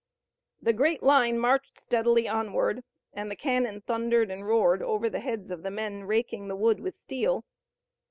The great line marched steadily onward, and the cannon thundered and roared over the heads of the men raking the wood with steel.